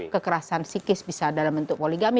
kekerasan psikis bisa dalam bentuk poligami